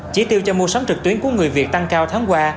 chỉ tiêu cho mua sắm trực tuyến của người việt tăng cao tháng qua